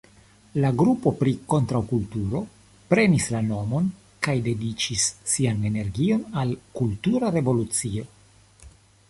La grupo pri kontraŭkulturo prenis la nomon kaj dediĉis sian energion al "kultura revolucio".